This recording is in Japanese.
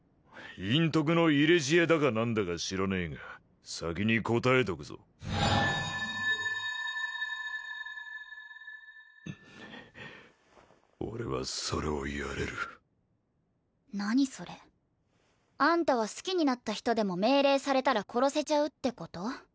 隠匿の入れ知恵だか何だか知らねえが先に答えとくぞ俺はそれをやれる何それあんたは好きになった人でも命令されたら殺せちゃうってこと？